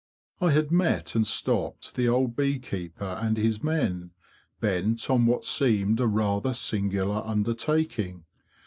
I had met and stopped the old bee keeper and his men, bent on what seemed a rather singular under taking.